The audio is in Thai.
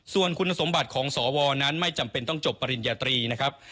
ส่วนคุณสมบัติของสวนั้นไม่จำเป็นต้องจบปริญญาตรีนะครับ